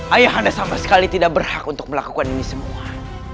ayah anda sama sekali tidak berhak untuk melakukan ini semua